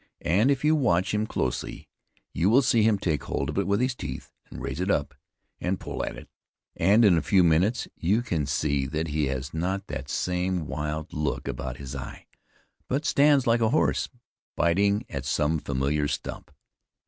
And if you watch him closely, you will see him take hold of it with his teeth, and raise it up and pull at it. And in a few minutes you can see that he has not that same wild look about his eye, but stands like a horse biting at some familiar stump.